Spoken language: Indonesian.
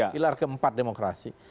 pilar keempat demokrasi